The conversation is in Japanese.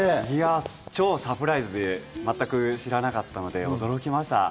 超サプライズで全く知らなかったので驚きました。